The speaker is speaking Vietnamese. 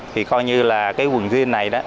thì coi như là quần jean này